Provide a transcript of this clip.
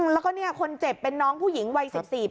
แล้วก็คนเจ็บเป็นน้องผู้หญิงวัย๑๔ปี